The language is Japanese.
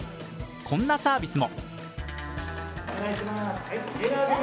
こんなサービスも。